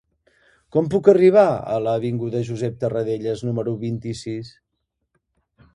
Com puc arribar a l'avinguda de Josep Tarradellas número vint-i-sis?